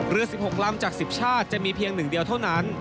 ๑๖ลำจาก๑๐ชาติจะมีเพียง๑เดียวเท่านั้น